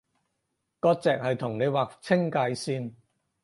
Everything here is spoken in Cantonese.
割蓆係同你劃清界線